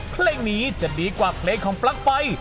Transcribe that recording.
เพลงนี้จะดีกว่าเพลงของปลั๊กไฟ